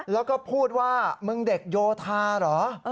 แล้วก็พูดว่ามึงเด็กโยธาเหรอ